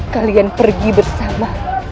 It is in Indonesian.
kalian pergi bersama